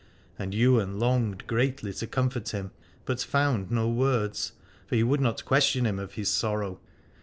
And Ywain longed greatly to comfort him, but found no words, for he would not question him of his sorrow.